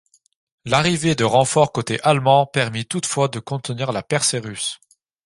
L'arrivée de renforts côté allemand permis toutefois de contenir la percée russe.